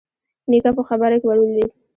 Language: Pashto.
نيکه په خبره کې ور ولوېد: